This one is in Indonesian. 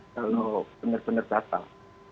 kalau benar benar datang